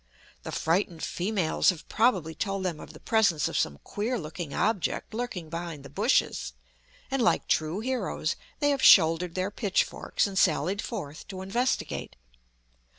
The frightened females have probably told them of the presence of some queer looking object lurking behind the bushes, and like true heroes they have shouldered their pitchforks and sallied forth to investigate.